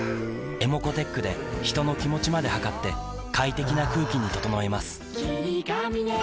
ｅｍｏｃｏーｔｅｃｈで人の気持ちまで測って快適な空気に整えます